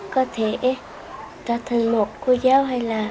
có thể ra thành một cô giáo hay là việc làm gì đó